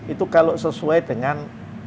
itu kalau sesuai dengan